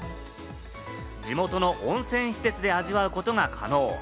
地元の温泉施設で味わうことが可能。